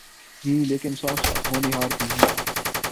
ہی لیکن ساتھ ساتھ ہونہار بھی ہیں۔